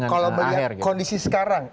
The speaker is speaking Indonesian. kalau melihat kondisi sekarang